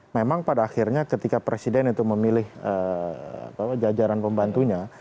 memang pada akhirnya ketika presiden itu memilih jajaran pembantunya